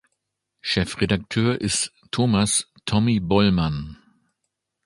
Chefredakteur ist Thomas „Tommi“ Bollmann.